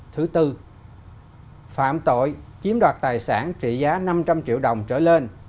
thứ tư phạm tội chiếm đoạt tài sản trị giá năm trăm linh triệu đồng trở lên